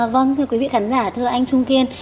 vâng thưa quý vị khán giả thưa anh trung kiên